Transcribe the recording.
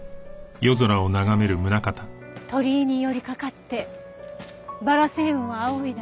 鳥居に寄りかかってバラ星雲を仰いだ。